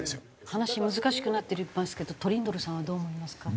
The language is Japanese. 話難しくなってますけどトリンドルさんはどう思いますか？